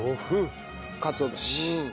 かつお節。